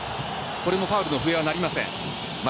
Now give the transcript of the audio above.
これもファウルの笛は鳴りません。